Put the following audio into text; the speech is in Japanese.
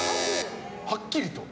「はっきりと」？